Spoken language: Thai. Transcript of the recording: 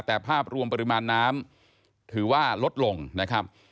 แต่ภาพรวมปริมาณน้ำถือว่าลดลงนะครับ